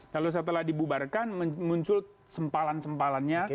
lalu setelah dibubarkan muncul sempalan sempalannya